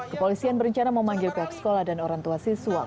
kepolisian berencana memanggil pihak sekolah dan orang tua siswa